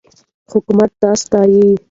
حکومت دا ستایي.